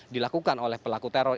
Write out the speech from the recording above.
dilakukan oleh pelaku teror